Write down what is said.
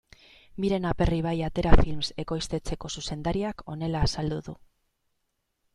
Miren Aperribai Atera Films ekoiztetxeko zuzendariak honela azaldu du.